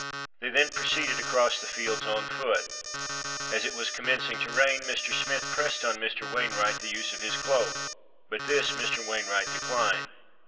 They then proceeded across the fields on foot. As it was commencing to rain, Mr. Smith pressed on Mr. Wainwright the use of his cloak; but this Mr. Wainwright declined.